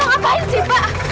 mau ngapain sih pak